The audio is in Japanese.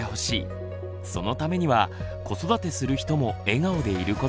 そのためには子育てする人も笑顔でいることが大事。